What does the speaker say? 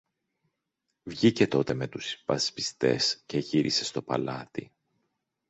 Βγήκε τότε με τους υπασπιστές και γύρισε στο παλάτι.